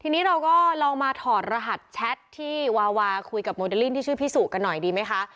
ทีนี้เราก็ลองมาถอดรหัสแชทที่วาวาคุยกับโมเดลลิ่งที่ชื่อพี่สุกันหน่อยดีไหมคะ